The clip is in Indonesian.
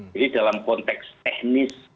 jadi dalam konteks teknis